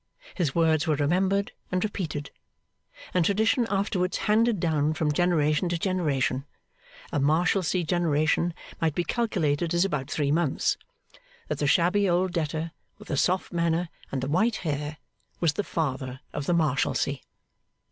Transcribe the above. His words were remembered and repeated; and tradition afterwards handed down from generation to generation a Marshalsea generation might be calculated as about three months that the shabby old debtor with the soft manner and the white hair, was the Father of the Marshalsea.